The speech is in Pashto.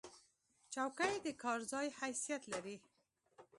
چوکۍ د کار ځای حیثیت لري.